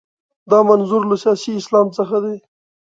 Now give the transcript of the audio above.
دا منظور له سیاسي اسلام څخه دی.